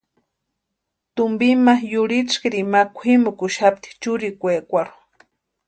Tumpi ma yutskirini ma kwʼimukuxapti churikwekwarhu.